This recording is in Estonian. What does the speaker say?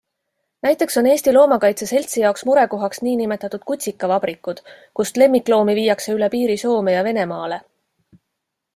Näiteks on Eesti Loomakaitse Seltsi jaoks murekohaks nn kutsikavabrikud, kust lemmikloomi viiakse üle piiri Soome ja Venemaale.